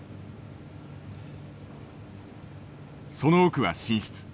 その奥は寝室。